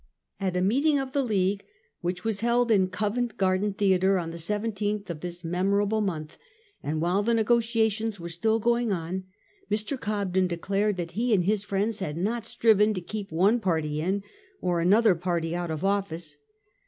At a meeting of the League, which was held in Covent Garden Theatre on the 17th of this memorable month, and while the negotiations were still going on, Mr. Cobden declared that he and his friends had not striven to keep one party in or another out of office.